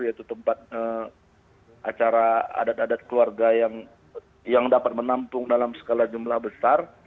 yaitu tempat acara adat adat keluarga yang dapat menampung dalam skala jumlah besar